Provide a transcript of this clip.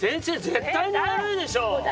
絶対に悪いでしょう！